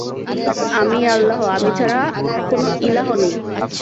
আমিই আল্লাহ, আমি ছাড়া কোন ইলাহ নেই।